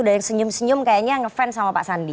dan senyum senyum kayaknya ngefans sama pak sandi